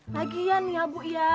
lagian ya bu